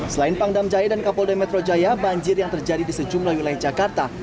selain pangdam jaya dan kapolda metro jaya banjir yang terjadi di sejumlah wilayah jakarta